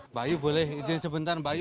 mbak ayu boleh izin sebentar mbak ayu